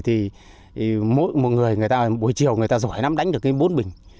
thì mỗi người người ta buổi chiều người ta giỏi lắm đánh được cái bốn bình